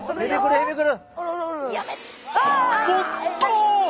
おっと！